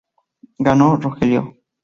Ganó Rogelio.